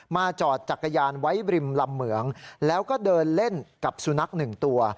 จอดจักรยานไว้ริมลำเหมืองแล้วก็เดินเล่นกับสุนัขหนึ่งตัว